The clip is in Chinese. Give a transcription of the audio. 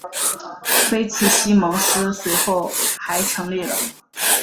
菲茨西蒙斯随后还成立了。